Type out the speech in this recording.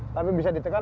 tapi bisa ditekan